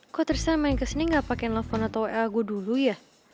kok tristan main kesini gak pakein laporan atau wa gua dulu ya